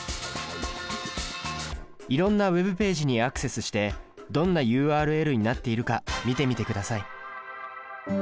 いろんなＷｅｂページにアクセスしてどんなＵＲＬになっているか見てみてください。